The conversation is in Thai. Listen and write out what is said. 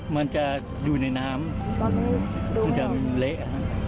มันจะดูในน้ำมันจะเละค่ะ